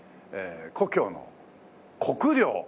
故郷の国領。